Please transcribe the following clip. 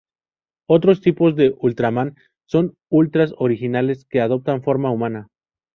Otros tipos de Ultraman son Ultras originales, que adoptan forma humana.